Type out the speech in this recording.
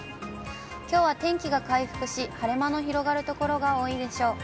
きょうは天気が回復し、晴れ間の広がる所が多いでしょう。